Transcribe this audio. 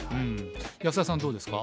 安田さんはどうですか？